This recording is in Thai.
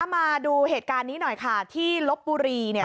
มาดูเหตุการณ์นี้หน่อยค่ะที่ลบบุรีเนี่ย